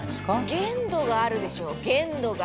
限度があるでしょう限度が。